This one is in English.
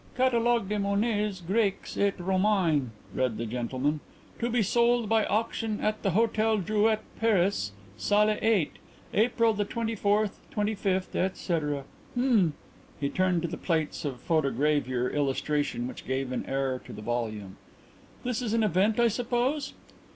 "'Catalogue des monnaies grecques et romaines,'" read the gentleman. "'To be sold by auction at the Hotel Drouet, Paris, salle 8, April the 24th, 25th, etc.' H'm." He turned to the plates of photogravure illustration which gave an air to the volume. "This is an event, I suppose?"